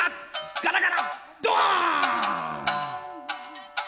ガラガラッドーン！